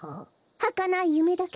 はかないゆめだけど。